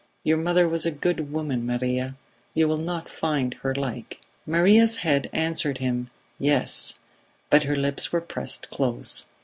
Your mother was a good woman, Maria; you will not find her like." Maria's head answered him "Yes," but her lips were pressed close.